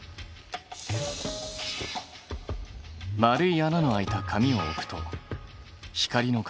円い穴のあいた紙を置くと光の形は？